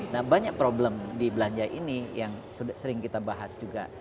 nah banyak problem di belanja ini yang sering kita bahas juga